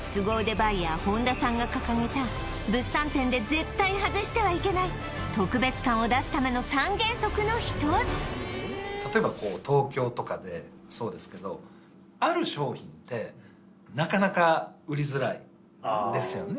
バイヤー本田さんが掲げた物産展で絶対外してはいけない特別感を出すための３原則の１つ例えば東京とかでそうですけどある商品ってなかなか売りづらいんですよね